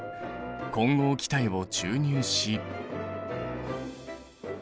混合気体を注入し。